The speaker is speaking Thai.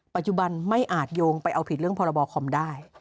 ปัจจุบันไม่อาจโยงไปเอาผิดเรื่องพรบคอมได้